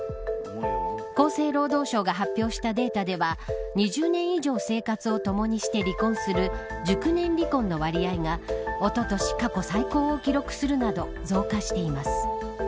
厚生労働省が発表したデータでは２０年以上生活をともにして離婚する熟年離婚の割合がおととし過去最高を記録するなど増加しています。